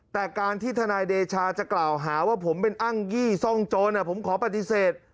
แต่การที่ทนายเดชาจะกล่าวหาว่าผมเป็นอ้างยี่ซ่องโจรผมขอปฏิเสธ